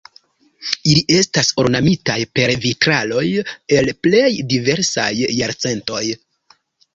Ili estas ornamitaj per vitraloj el plej diversaj jarcentoj.